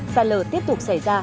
sạt lở tiếp tục xảy ra